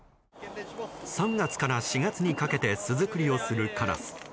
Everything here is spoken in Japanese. ３月から４月にかけて巣作りをするカラス。